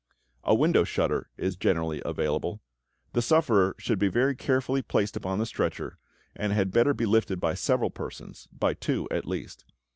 A window shutter is generally available. The sufferer should be very carefully placed upon the stretcher, and had better be lifted by several persons, by two at least.